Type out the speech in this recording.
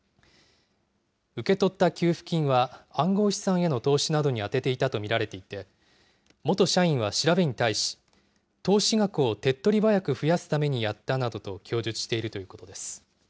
受け取った給付金は、暗号資産への投資に充てていたと見られていて、元社員は調べに対し、投資額を手っ取り早く増やすためにやったなどと供述しているということです。